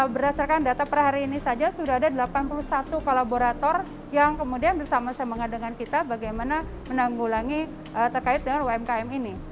berdasarkan data per hari ini saja sudah ada delapan puluh satu kolaborator yang kemudian bersama sama dengan kita bagaimana menanggulangi terkait dengan umkm ini